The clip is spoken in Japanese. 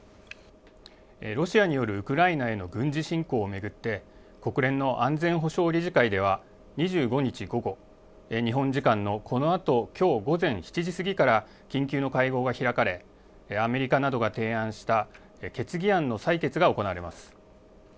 ロシアによるウクライナへの軍事侵攻を巡って、国連の安全保障理事会では２５日午後、日本時間のこのあときょう午前７時過ぎから緊急の会合が開かれ、アメリカなどが提案した決議案の採決が行われます。